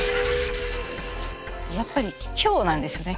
やっぱり今日なんですよね。